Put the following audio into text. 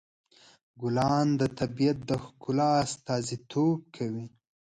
ګلان د طبیعت د ښکلا استازیتوب کوي.